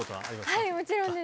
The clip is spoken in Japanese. はいもちろんです。